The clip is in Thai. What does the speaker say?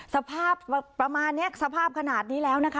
สภาพประมาณนี้สภาพขนาดนี้แล้วนะคะ